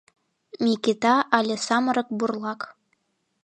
Микита але самырык «бурлак».